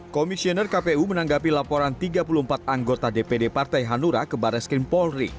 komisioner kpu menanggapi laporan tiga puluh empat anggota dpd partai hanura ke baris krim polri